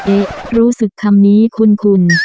เอ๊ะรู้สึกคำนี้คุ้น